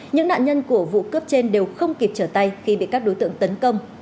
những nạn nhân của vụ cướp trên đều không kịp trở tay khi bị các đối tượng tấn công